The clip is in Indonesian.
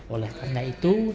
oleh karena itu